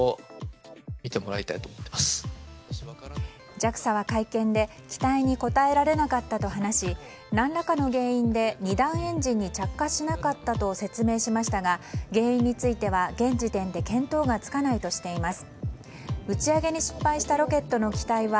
ＪＡＸＡは会見で期待に応えられなかったと話し何らかの原因で２段エンジンに着火しなかったと説明しましたが原因については現時点で見当がつかないとしています。